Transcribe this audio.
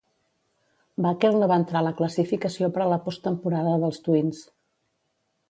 Baker no va entrar a la classificació per a la postemporada dels Twins.